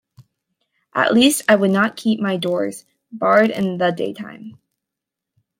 At least, I would not keep my doors barred in the day-time.